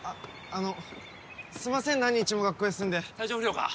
あのすんません何日も学校休んで体調不良か？